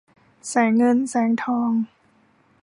แสงเงินแสงทอง